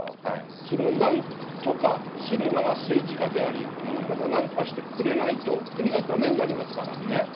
それをなんとかするのが政治家であり、またなんとかしてくれないと、国がだめになりますから。